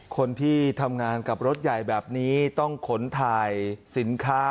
คนที่ทำงานกับรถใหญ่แบบนี้ต้องขนถ่ายสินค้า